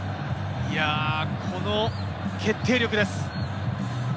この決定力です。